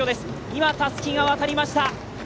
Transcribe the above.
今、たすきが渡りました。